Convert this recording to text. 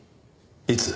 いつ？